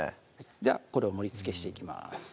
ではこれを盛りつけしていきます